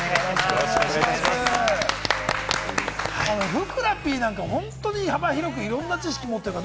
ふくらＰなんか、幅広くいろんな知識を持ってるから。